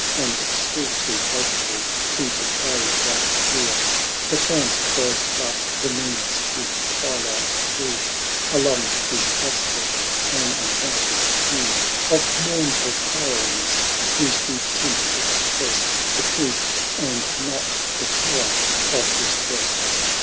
And still too faithful to betray one fear; Perchance 'twas but the moon's dim twilight threw Along his aspect an unwonted hue Of mournful paleness, whose deep tint expressed The truth, and not the terror of his breast.